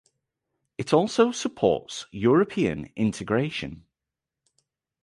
It also supports European integration.